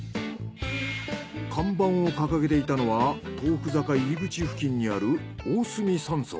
看板を掲げていたのはとうふ坂入り口付近にあるおゝすみ山荘。